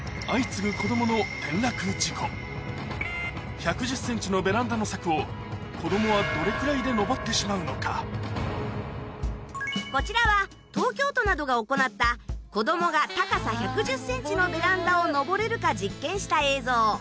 １１０ｃｍのベランダの柵を子供はこちらは東京都などが行った子供が高さ１１０ｃｍのベランダを登れるか実験した映像。